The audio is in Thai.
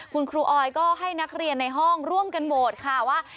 คุณครูออยก็ให้นักเรียนในห้องร่วมกันโหวตค่ะว่า